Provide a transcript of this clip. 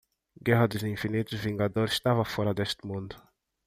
Guerra dos Infinitos Vingadores estava fora deste mundo.